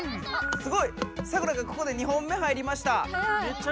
すごいサクラがここで２本目入りました。